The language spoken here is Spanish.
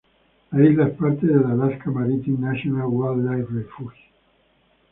La isla es parte del Alaska Maritime National Wildlife Refuge.